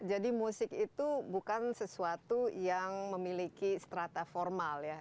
jadi musik itu bukan sesuatu yang memiliki strata formal ya